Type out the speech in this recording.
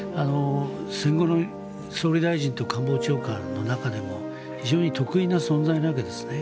戦後の総理大臣と官房長官の中でも非常に特異な存在なわけですね。